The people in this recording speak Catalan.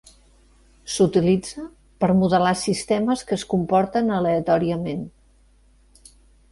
S'utilitza per modelar sistemes que es comporten aleatòriament.